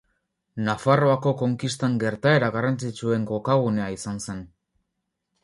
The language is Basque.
Nafarroako konkistan gertaera garrantzitsuen kokagunea izan zen.